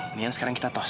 ini yang sekarang kita tos